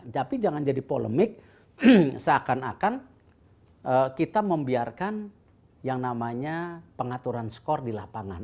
tapi jangan jadi polemik seakan akan kita membiarkan yang namanya pengaturan skor di lapangan